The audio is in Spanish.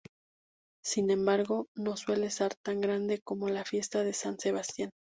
Sin embargo, no suele ser tan grande como la fiesta de San Sebastián.